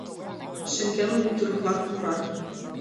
Шеҥгелне ӱдыр-влак мурат.